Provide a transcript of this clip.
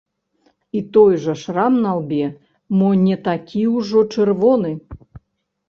І той жа шрам на лбе, мо не такі ўжо чырвоны.